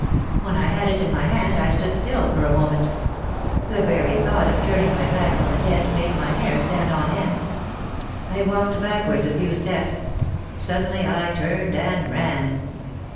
When I had it in my hand I stood still for a moment. The very thought of turn ing my back on the dead made my hair stand on end. I walked backwards a few steps; suddenly I turned and ran.